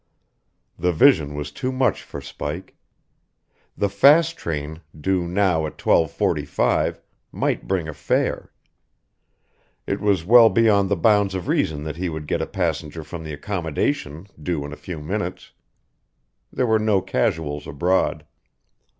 The vision was too much for Spike. The fast train, due now at 12.45, might bring a fare. It was well beyond the bounds of reason that he would get a passenger from the accommodation due in a few minutes. There were no casuals abroad.